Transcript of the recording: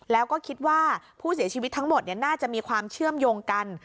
แล้วก็คิดว่าผู้เสียชีวิตทั้งหมดน่าจะมีความเชื่อมโยงกัน